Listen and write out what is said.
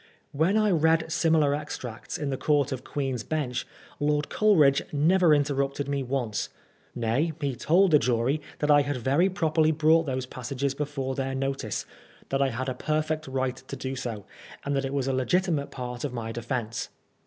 When I read similar extracts in the Court of Queen's Bench, Lord Coleridge never inter rupted me once ; nay, he told the jury that I had very properly brought those passages before their notice^ that I had a perfect right to do so, and that it was a legitimate part of my defence.